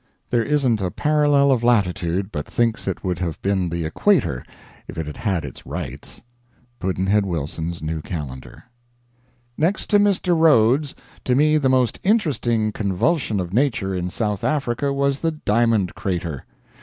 There isn't a Parallel of Latitude but thinks it would have been the Equator if it had had its rights. Pudd'nhead Wilson's New Calendar. Next to Mr. Rhodes, to me the most interesting convulsion of nature in South Africa was the diamond crater.